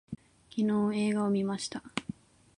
昨日映画を見ました